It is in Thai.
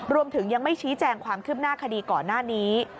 รวมถึงยังไม่ชี้แจงความคืบหน้าคดีก่อนหน้านี้